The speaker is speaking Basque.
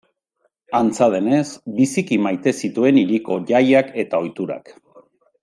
Antza denez, biziki maite zituen hiriko jaiak eta ohiturak.